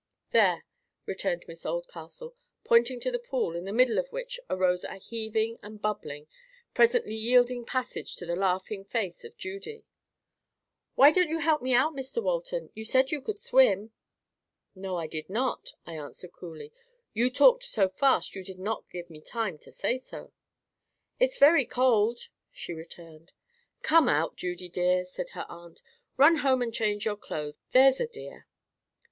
"There," returned Miss Oldcastle, pointing to the pool, in the middle of which arose a heaving and bubbling, presently yielding passage to the laughing face of Judy. "Why don't you help me out, Mr Walton? You said you could swim." "No, I did not," I answered coolly. "You talked so fast, you did not give me time to say so." "It's very cold," she returned. "Come out, Judy dear," said her aunt. "Run home and change your clothes. There's a dear."